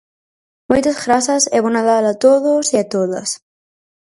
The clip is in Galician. Moitas grazas e bo Nadal a todos e a todas.